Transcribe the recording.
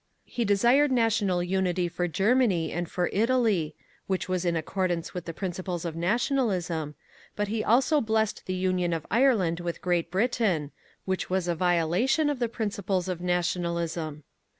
He desired national unity for Germany and for Italy (which was in accordance with the principles of Nationalism), but he also blessed the union of Ireland with Great Britain (which was a violation of the principles of Nationalism).